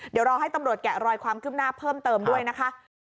เดี๋ยวรอให้ตำรวจแกะรอยความคืบหน้าเพิ่มเติมด้วยนะคะ